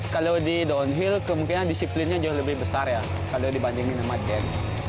kalau di downhill kemungkinan disiplinnya jauh lebih besar ya kalau dibandingin sama james